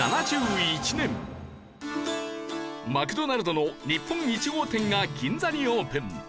マクドナルドの日本１号店が銀座にオープン。